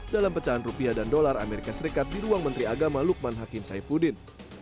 dalam pecahan rupiah dan dolar amerika serikat di ruang menteri agama lukman hakim saifuddin